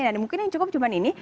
dan mungkin yang cukup cuma ini